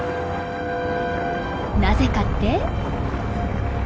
なぜかって？